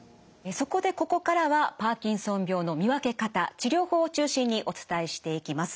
そこでここからはパーキンソン病の見分け方治療法を中心にお伝えしていきます。